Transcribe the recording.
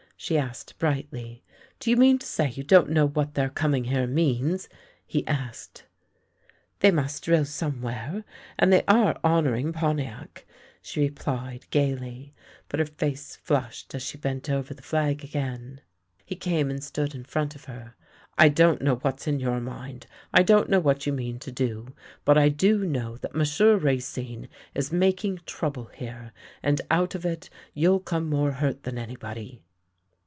" she asked brightly. " Do you mean to say you don't know what their coming here means? " he asked. THE LANE THAT HAD NO TURNING 19 " They must drill somewhere, and they are honour ing Pontiac," she replied gaily, but her face tiushed as she bent over the flag again. He came and stood in front of her. " I don't know what's in your mind, I don't know what you mean to do, but I do know that M'sieu' Racine is making trouble here, and out of it you'll come more hurt than anybody."